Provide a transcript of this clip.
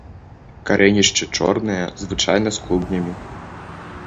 Карэнішчы чорныя, звычайна з клубнямі.